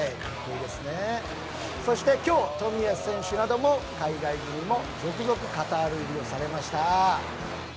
そして今日、冨安選手など海外組も続々カタール入りをされました。